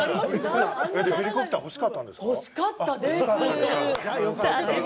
ヘリコプターほしかったんですか？